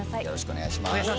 よろしくお願いします。